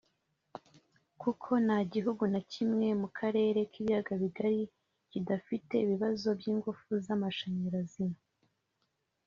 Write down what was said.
kuko nta gihugu na kimwe mu karere k’ibiyaga bigari kidafite ibibazo by’ingufu z’amashanyarazi